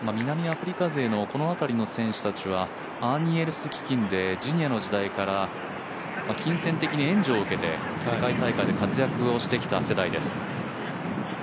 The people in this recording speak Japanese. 南アフリカ勢のこの辺りの選手たちはアーニー・エルス基金でジュニアの時代から金銭的に援助を受けて世界大会で活躍をしてきた世代です。